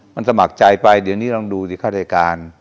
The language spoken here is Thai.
มันสมัครใจไปเดี๋ยวนี้ลองดูสิข้ารายการ